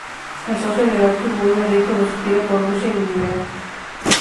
El socio de Arthur vuelve rico de su gira por Rusia y lo libera.